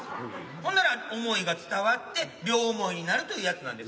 ほんなら思いが伝わって両思いになるというやつなんです。